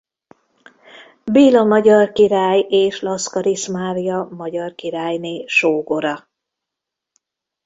Béla magyar király és Laszkarisz Mária magyar királyné sógora.